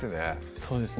そうですね